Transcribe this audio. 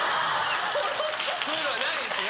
そういうのはないです？